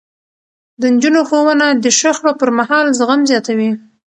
د نجونو ښوونه د شخړو پرمهال زغم زياتوي.